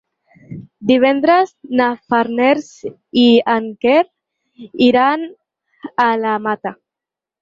Divendres na Farners i en Quer iran a la Mata.